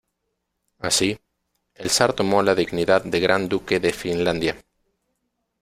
Así, el zar tomó la dignidad de gran duque de Finlandia.